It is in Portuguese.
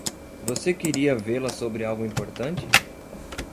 Você queria vê-la sobre algo importante?